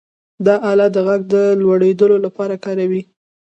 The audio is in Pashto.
دا آله د غږ د لوړېدو لپاره کاروي.